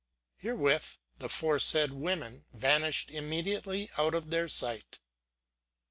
Herewith the fore said women vanished immediately out of their sight.